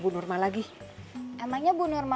gat google app praktek nya baru ya